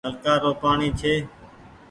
نلڪآ رو پآڻيٚ ڇي۔